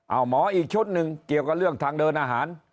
เอาหมออีกชุดหนึ่งเกี่ยวกับเรื่องทางเดินอาหาร